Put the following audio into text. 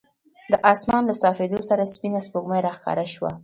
د اسمان له صافېدو سره سپینه سپوږمۍ راښکاره شوه.